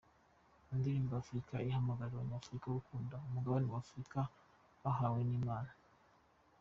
Indirimbo Afurika ihamagarira abanyafurika gukunda umugabane wa Afurika bahawe n'Imana.